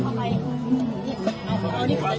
สวัสดีครับทุกคน